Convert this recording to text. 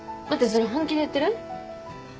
それ本気で言ってる？